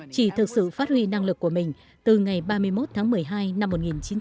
chỉ thực sự phát huy năng lực của mình từ ngày ba mươi một tháng một mươi hai năm một nghìn chín trăm bảy mươi